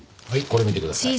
これ見てください。